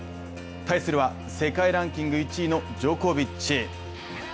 対するは世界ランキング１位のジョコビッチ。